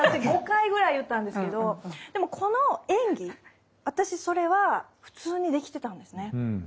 私５回ぐらい言ったんですけどでもこの演技私それは普通にできてたんですね。